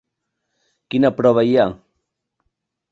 Quina prova hi ha?